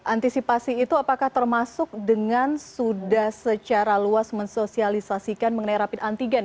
antisipasi itu apakah termasuk dengan sudah secara luas mensosialisasikan mengenai rapid antigen